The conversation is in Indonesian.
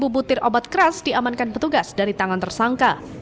dua puluh butir obat keras diamankan petugas dari tangan tersangka